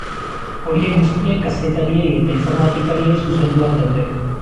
Horiek guztiak kazetariei eta informatikariei zuzenduak daude.